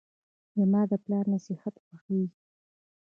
زماد پلار نصیحت خوښیږي.